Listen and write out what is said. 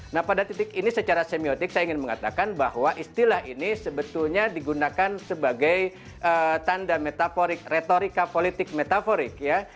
nah pada titik ini secara semiotik saya ingin mengatakan bahwa istilah ini sebetulnya digunakan sebagai tanda retorika politik metaforik ya